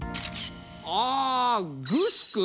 あグスク？